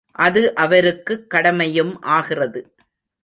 அது அவருக்குக் கடமையும் ஆகிறது.